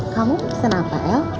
kamu pesen apa el